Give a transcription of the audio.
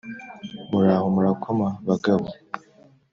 Muraho murakoma bagabo